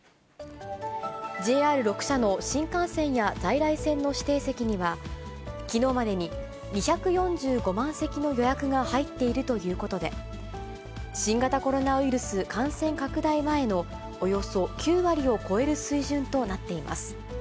ＪＲ６社の新幹線や在来線の指定席には、きのうまでに２４５万席の予約が入っているということで、新型コロナウイルス感染拡大前のおよそ９割を超える水準となっています。